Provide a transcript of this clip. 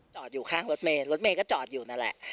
จอดอยู่ข้างรถเมย์รถเมย์ก็จอดอยู่นั่นแหละ